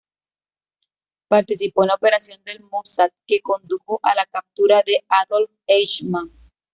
Participó en la operación del Mossad que condujo a la captura de Adolf Eichmann.